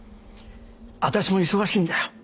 私も忙しいんだよ